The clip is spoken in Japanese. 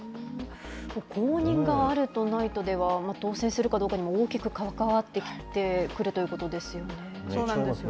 公認があるとないとでは、当選するかどうかにも大きく関わってくるということですか。